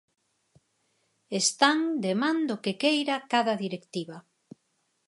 Están de man do que queira cada directiva.